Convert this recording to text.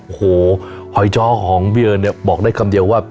โอ้โหหอยเจ้าของพี่เอิญเนี่ยบอกได้คำเดียวว่า